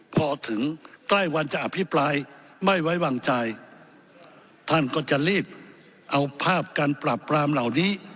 พอถึงใกล้วันจะอภิปรายไม่ไว้วางใจท่านก็จะรีบเอาภาพการปราบปรามเหล่านี้